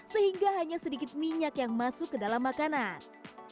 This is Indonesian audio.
sehingga hanya sedikit minyak yang masuk ke dalam makanan